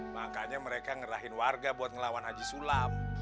makanya mereka ngerahin warga buat ngelawan haji sulap